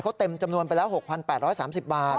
เขาเต็มจำนวนไปแล้ว๖๘๓๐บาท